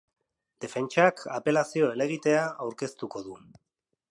Defentsak apelazio helegitea aurkeztuko du.